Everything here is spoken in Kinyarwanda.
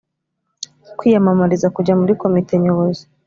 kwiyamamariza kujya muri Komite Nyobozi